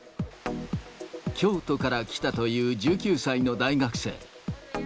京都から来たという１９歳の大学生。